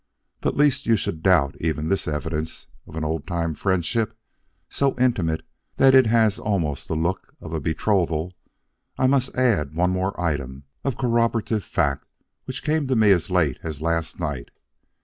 But lest you should doubt even this evidence of an old time friendship so intimate that it has almost the look of a betrothal, I must add one more item of corroborative fact which came to me as late as last night.